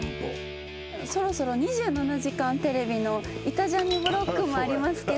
そろそろ『２７時間テレビ』の『イタ×ジャニ』ブロックもありますけど。